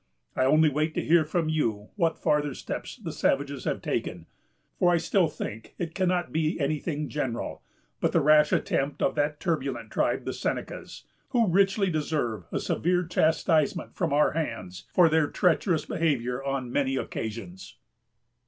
I only wait to hear from you what farther steps the savages have taken; for I still think it cannot be any thing general, but the rash attempt of that turbulent tribe, the Senecas, who richly deserve a severe chastisement from our hands, for their treacherous behavior on many occasions."